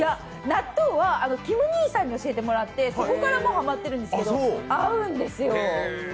納豆はキム兄さんに教えてもらって、そこからハマっているんですけど、合うんですよ。